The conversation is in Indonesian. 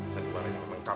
saya kemarin di kampungan